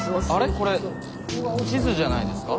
これ地図じゃないですか？